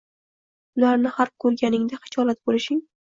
Ularni har koʻrganingda xijolat boʻlishing